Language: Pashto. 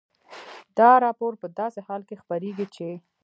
دا راپور په داسې حال کې خپرېږي چې